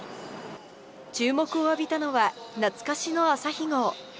注目を浴びたのは、なつかしのあさひ号。